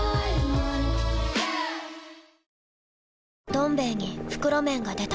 「どん兵衛」に袋麺が出た